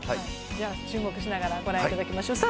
じゃ、注目しながら御覧いただきましょう。